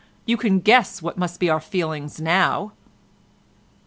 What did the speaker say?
You can guess what must be our feelings now."